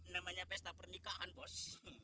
namanya pesta pernikahan bos